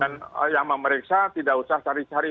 dan yang memeriksa tidak usah cari cari